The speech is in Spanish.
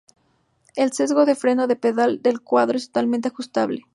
El sesgo de freno de pedal cuadro es totalmente ajustable.